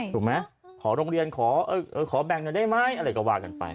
ถูกไหมขอโรงเรียนขอแบ่งหน่อยได้ไหมอะไรก็ว่ากันไป